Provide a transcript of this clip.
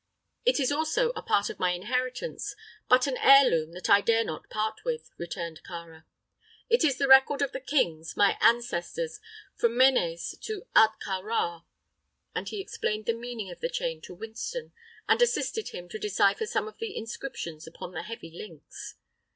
"It is also a part of my inheritance, but an heirloom that I dare not part with," returned Kāra. "It is the record of the kings, my ancestors, from Mēnēs to Ahtka Rā," and he explained the meaning of the chain to Winston, and assisted him to decipher some of the inscriptions upon the heavy links.